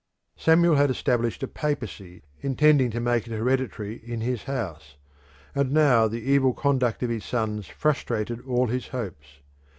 Samuel had established a papacy, intending to make it hereditary in his house, and now the evil conduct of his sons frustrated all his hopes.